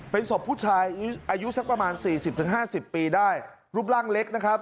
เป็นศพผู้ชายอายุสักประมาณ๔๐๕๐ปีได้รูปร่างเล็กนะครับ